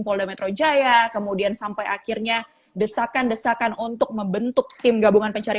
polda metro jaya kemudian sampai akhirnya desakan desakan untuk membentuk tim gabungan pencari